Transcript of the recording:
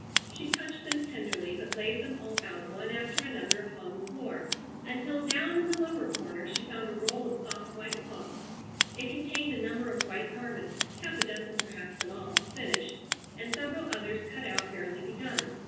She touched them tenderly, but laid them all out one after another upon the floor until down in the lower corner she found a roll of soft white cloth. It contained a number of white garments, half a dozen perhaps in all, finished, and several others cut out barely begun.